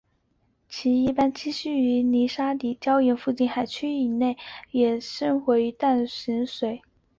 其一般栖息于泥沙底质和岩礁附近的海区以及也可生活于咸淡水或淡水水域。